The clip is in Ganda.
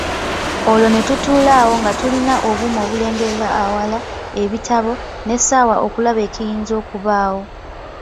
Olwo ne tutuula awo nga tulina obuuma obulengera ewala, ebitabo, n’essaawa okulaba ekiyinza okubaawo.